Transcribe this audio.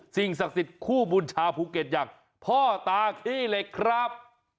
สิ่งศักดิ์สิทธิ์คู่บุญชาวภูเก็ตอย่างพ่อตาขี้เหล็กครับ